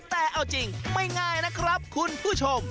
แต่เอาจริงไม่ง่ายนะครับคุณผู้ชม